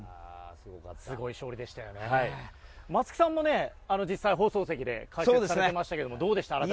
松木さんも実際に放送席で解説されていましたがどうでしたか？